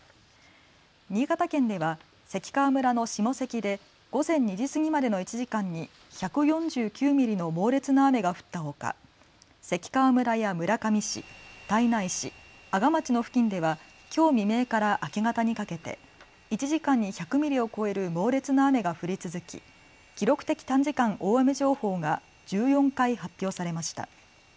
新潟県では関川村の下関で午前２時過ぎまでの１時間に１４９ミリの猛烈な雨が降ったほか関川村や村上市、胎内市阿賀町の付近では今日未明から明け方にかけて１時間に１００ミリを超える猛烈な雨が降り続き記録的短時間大雨情報が１４回発表されました。